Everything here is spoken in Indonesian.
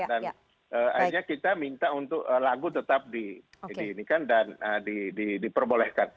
dan akhirnya kita minta untuk lagu tetap diperbolehkan